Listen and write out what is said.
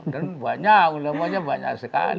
dan banyak ulama ulamanya banyak sekali